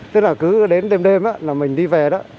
tức là cứ đến đêm đêm là mình đi về đó